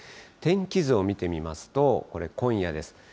天気図を見てみますと、これ、今夜です。